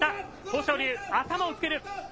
豊昇龍、頭をつける。